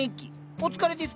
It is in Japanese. お疲れですか？